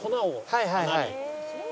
はいはいはい。